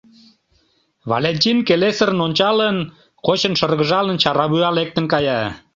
Валентин келесырын ончалын, кочын шыргыжалын, чаравуя лектын кая.